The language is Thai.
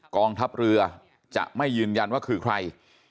กองทัพเรือจะไม่ยืนยันว่าคือใคร